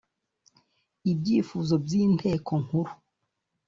ibyifuzo by Inteko Nkuru